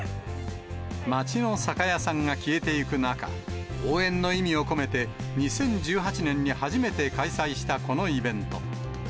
街の酒屋さんが消えていく中、応援の意味を込めて、２０１８年に初めて開催したこのイベント。